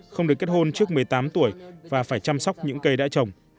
không được kết hôn trước một mươi tám tuổi và phải chăm sóc những cây đã trồng